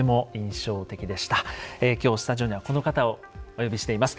今日スタジオにはこの方をお呼びしています。